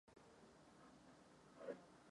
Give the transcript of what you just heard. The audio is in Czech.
Nová stálá expozice o dějinách Říčan je připravována.